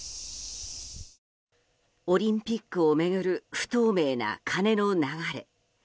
オリンピックを巡る不透明な金の流れ。